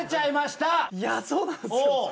いやそうなんっすよ。